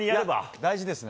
大事ですね。